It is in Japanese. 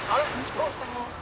どうしたの？